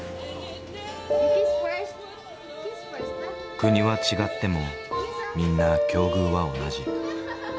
国は違ってもみんな境遇は同じ。